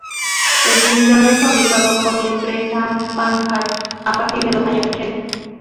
El blindado es fabricado por la empresa Panhard a partir de los años ochenta.